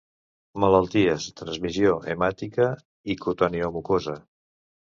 Malalties de transmissió hemàtica i cutaneomucosa.